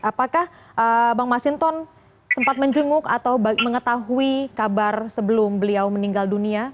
apakah bang masinton sempat menjenguk atau mengetahui kabar sebelum beliau meninggal dunia